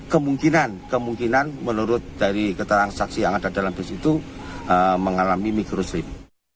kemungkinan kemungkinan menurut dari keterangan saksi yang ada dalam bus itu mengalami mikrosrim